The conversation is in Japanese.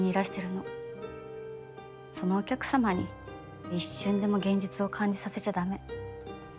そのお客様に一瞬でも現実を感じさせちゃ駄目。